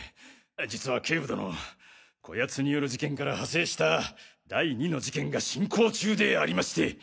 実は警部殿此奴による事件から派生した第２の事件が進行中でありまして。